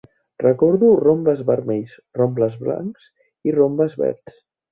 Recordo rombes vermells, rombes blancs i rombes verds.